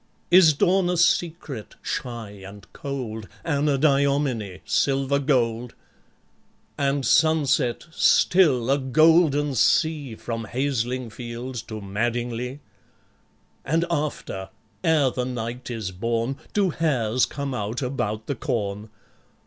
Is dawn a secret shy and cold Anadyomene, silver gold? And sunset still a golden sea From Haslingfield to Madingley? And after, ere the night is born, Do hares come out about the corn?